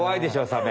サメ。